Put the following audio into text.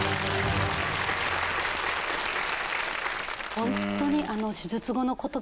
ホントに。